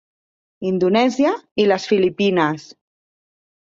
Indonèsia i les Filipines.